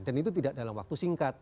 dan itu tidak dalam waktu singkat